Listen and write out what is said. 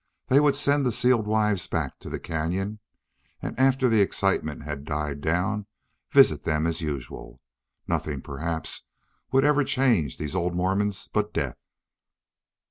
They would send the sealed wives back to the cañon and, after the excitement had died down, visit them as usual. Nothing, perhaps, would ever change these old Mormons but death.